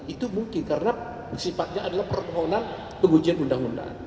itu mungkin karena sifatnya adalah permohonan pengujian undang undang